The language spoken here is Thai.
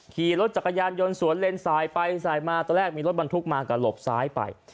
ขี่รถจักรยานยนต์สวนเล่นสายไปสายมาตอนแรกมีรถบรรทุกมาก็หลบซ้ายไป